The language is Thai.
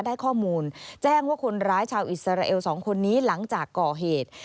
ได้ข้อมูลแจ้งว่าคนร้ายชาวอิสราเอล๒คนนี้หลังจากก่อเหตุ